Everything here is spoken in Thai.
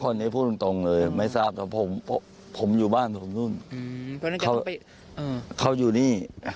นี้พูดตรงเลยไม่ทราบครับผมอยู่บ้านผมนู่นเขาอยู่นี่